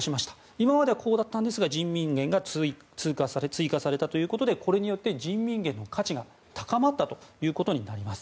今まではこうだったんですが人民元が追加されたということでこれによって人民元の価値が高まったということになります。